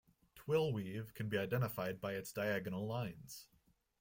Twill weave can be identified by its diagonal lines.